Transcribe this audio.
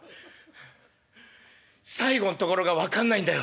「最後んところが分かんないんだよ」。